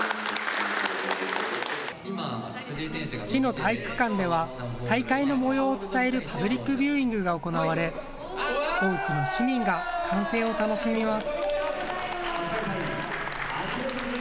市の体育館では大会のもようを伝えるパブリックビューイングが行われ多くの市民が観戦を楽しみます。